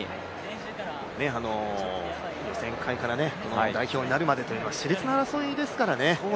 予選会から代表になるまでというのはしれつな戦いですからね。